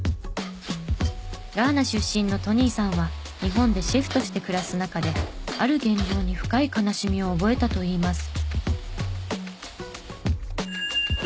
ガーナ出身のトニーさんは日本でシェフとして暮らす中である現状に深い悲しみを覚えたといいます。